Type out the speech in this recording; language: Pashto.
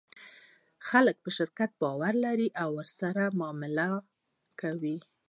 خلک په شرکت باور لري او ورسره معامله کوي.